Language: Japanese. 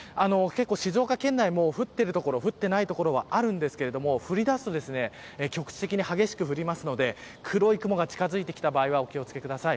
静岡県内も降っている所と降っていない所がありますが降り出すと局地的に激しく降るので黒い雲が近づいてきた場合はお気を付けください。